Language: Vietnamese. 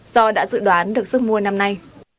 do đã dự đoán được sức mua năm nay